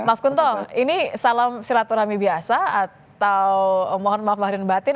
mas kuntong ini salam silaturahmi biasa atau mohon maaf lahirin batin